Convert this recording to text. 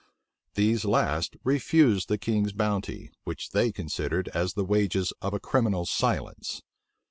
These last refused the king's bounty, which they considered as the wages of a criminal silence.